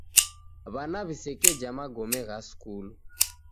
W'ana w'isekeja magome gha skulu.